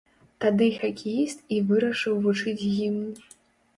Тады хакеіст і вырашыў вучыць гімн.